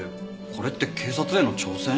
これって警察への挑戦？